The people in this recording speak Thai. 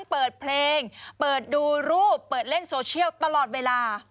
เปิดเพลงเปิดดูรูปเปิดเล่นโซเชียลตลอดเวลา